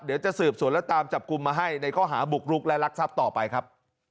เดี๋ยวจะสืบสวนและตามจับกลุ่มมาให้ในข้อหาบุกรุกและรักทรัพย์ต่อไปครับ